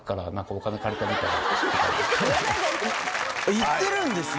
行ってるんですね。